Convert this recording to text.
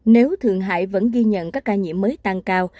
nếu thượng hải vẫn ghi nhận các ca nhiễm mới tăng cao